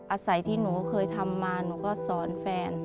อาศัยที่หนูเคยทำมาหนูก็สอนแฟน